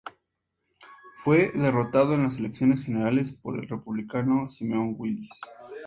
Fue derrotado en las elecciones generales por el republicano Simeón Willis.